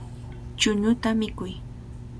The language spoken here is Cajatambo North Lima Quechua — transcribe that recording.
Chuñuta mikuy.